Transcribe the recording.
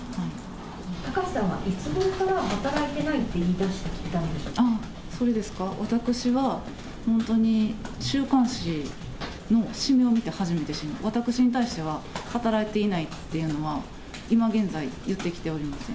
貴志さんはいつごろから働いていないって言いだしていたんでそれですか、私は本当に週刊誌の誌面を見て初めて、私に対しては、働いていないっていうのは、今現在、言ってきておりません。